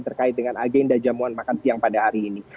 terkait dengan agenda jamuan makan siang pada hari ini